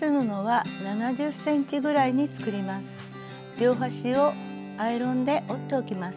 両端をアイロンで折っておきます。